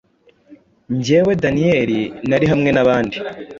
Jyewe Daniyeli nari hamwe n’abandi,